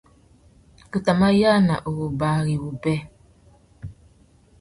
Tu tà mà yāna u wú bari wubê.